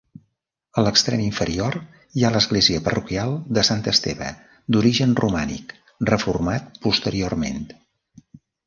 A l'extrem inferior hi ha l'església parroquial de sant Esteve, d'origen romànic, reformat posteriorment.